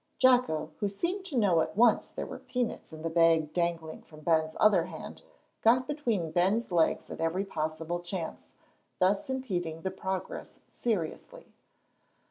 Jocko, who seemed to know at once there were peanuts in the bag dangling from Ben's other hand, got between Ben's legs at every possible chance, thus impeding the progress seriously.